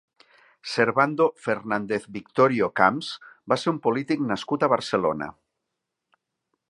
Servando Fernández-Victorio Camps va ser un polític nascut a Barcelona.